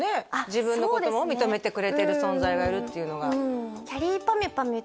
自分のことも認めてくれてる存在がいるっていうのがうんきゃりーぱみゅぱみ